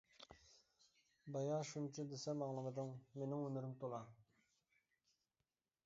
بايا شۇنچە دېسەم ئاڭلىمىدىڭ، مېنىڭ ھۈنىرىم تولا!